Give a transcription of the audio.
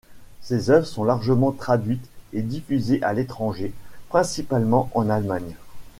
Ses œuvres sont largement traduites et diffusées à l’étranger, principalement en Allemagne.